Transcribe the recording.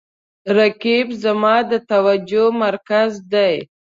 رقیب زما د توجه مرکز دی